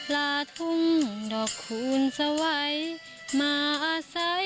ลาทุ่งดอกขุนสวัยมาอาจร้าย